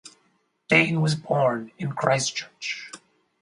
Thain was born in Christchurch.